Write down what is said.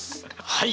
はい。